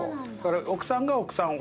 奥さんが奥さんを。